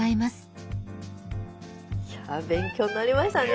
いや勉強になりましたね